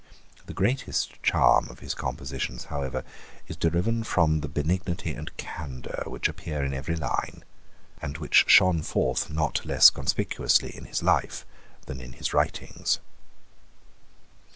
The greatest charm of his compositions, however, is deriven from the benignity and candour which appear in every line, and which shone forth not less conspicuously in his life than in his writings.